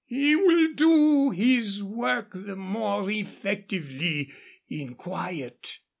He will do his work the more effectively in quiet."